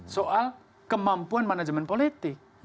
soal kemampuan manajemen politik